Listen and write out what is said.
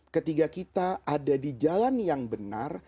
ketika kita ada di jalan yang benar